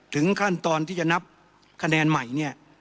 ขั้นตอนที่จะนับคะแนนใหม่เนี่ย